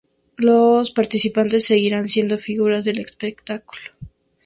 Los participantes seguirán siendo figuras del espectáculo.